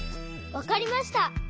わかりました！